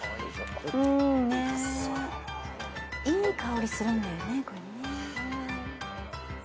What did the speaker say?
いい香りするんだよねこれね。